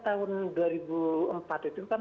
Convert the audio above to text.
tahun dua ribu empat itu kan